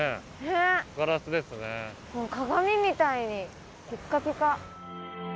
鏡みたいにピッカピカ。